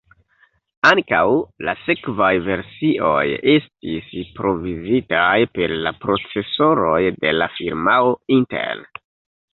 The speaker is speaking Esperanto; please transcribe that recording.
Ankaŭ la sekvaj versioj estis provizitaj per la procesoroj de la firmao Intel.